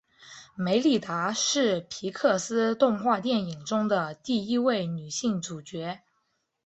梅莉达是皮克斯动画电影中的第一位女性主角。